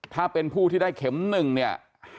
ถ้าเป็นผู้ที่ได้เข็ม๑เนี่ย